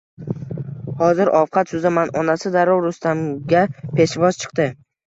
Hozir ovqat suzaman, onasi darrov Rustamga peshvoz chiqdi